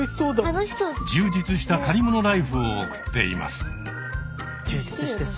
充実した借りものライフを送っています。